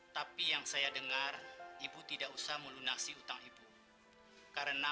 sampai jumpa di video selanjutnya